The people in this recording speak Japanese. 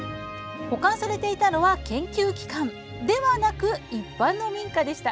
保管されていたのは研究機関ではなく一般の民家でした。